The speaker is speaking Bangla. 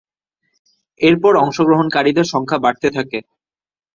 এরপর অংশগ্রহণকারীদের সংখ্যা বাড়তে থাকে।